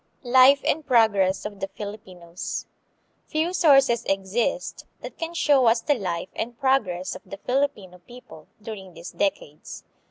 Life and Progress of the Filipinos. Few sources exist that can show us the life and progress of the Filipino people during these decades.